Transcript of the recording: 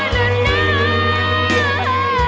แน่แน่รู้เหรอ